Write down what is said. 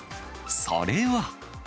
それは。